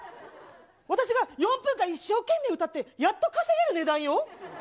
私が４分間一生懸命歌ってやっと稼げる値段よ？